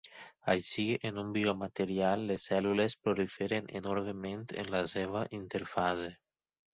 Així, en un biomaterial les cèl·lules proliferen enormement en la seva interfase.